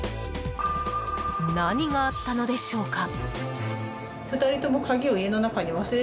何があったのでしょうか？